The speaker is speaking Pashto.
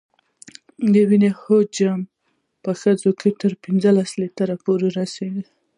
د وینې حجم په ښځو کې تر پنځو لیترو پورې رسېږي.